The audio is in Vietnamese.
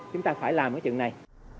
chúng ta phải làm cái chuyện này